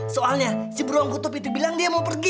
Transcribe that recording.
soalnya si brongutup itu bilang dia mau pergi